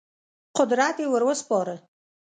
قدرت یې ور وسپاره.